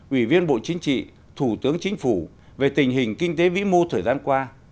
ủy viên bộ chính trị thủ tướng chính phủ về tình hình kinh tế vĩ mô thời gian qua